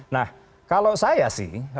nah kalau saya sih